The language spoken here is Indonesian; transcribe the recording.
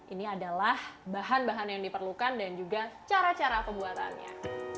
ini adalah bahan bahan yang diperlukan dan juga cara cara pembuatannya